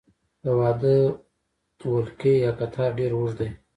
د واده ولکۍ یا قطار ډیر اوږد وي.